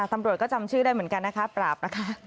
ตำรวจก็จำชื่อได้เหมือนกันนะคะปราบนะคะ